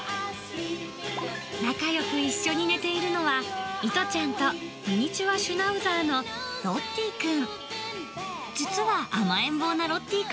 仲よく一緒に寝ているのは、いとちゃんとミニチュアシュナウザーのロッティくん。